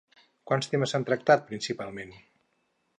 Quants temes s'han tractat principalment?